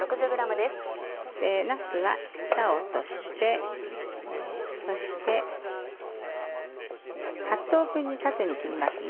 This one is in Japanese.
なすはヘタを落としてそして８等分に縦に切りますね。